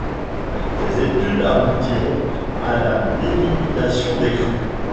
Ses études aboutiront à la délimitation des crus.